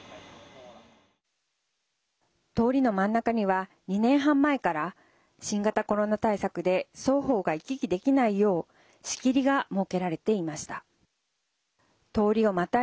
通りの真ん中には２年半前から新型コロナ対策で双方が行き来できないよう仕切りが設けられていました。